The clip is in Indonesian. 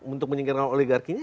untuk menyingkirkan oligarkinya